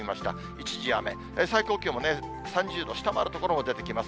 一時雨、最高気温も３０度下回る所も出てきます。